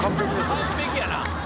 完璧やな。